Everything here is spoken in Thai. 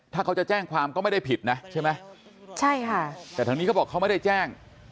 ถ้าเขาจะแจ้งความก็ไม่ได้ผิดนะใช่ไหมใช่ค่ะแต่ทางนี้เขาบอกเขาไม่ได้แจ้ง